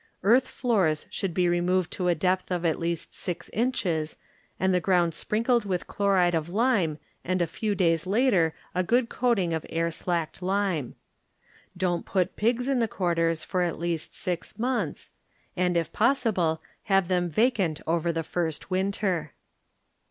Earth floors should be removed to a depth of at least six inches and the ground sprin kled with chloride of time and a few days later a good coating of air slacked lime. Don't put pigs in the quarters for at least six months, and, if possible, have them vacant over the first winter.